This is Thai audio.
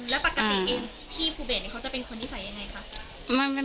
แล้วปกติเองพี่ภูเบสเขาจะเป็นคนนิสัยยังไงคะ